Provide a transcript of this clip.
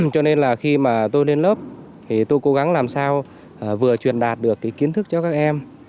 cho nên là khi mà tôi lên lớp thì tôi cố gắng làm sao vừa truyền đạt được cái kiến thức cho các em